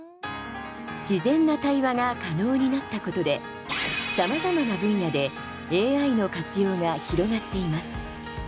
自然な対話が可能になったことでさまざまな分野でＡＩの活用が広がっています。